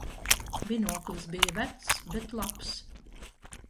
Binoklis bija vecs, bet labs.